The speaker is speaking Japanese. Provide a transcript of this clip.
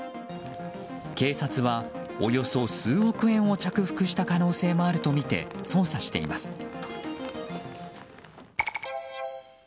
警察は、およそ数億円を着服した可能性もあるとみて捜査しています。